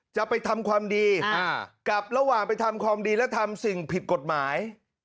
จะไปทำความดีกับระหว่างไปทำความดีและทำสิ่งผิดกฎหมาย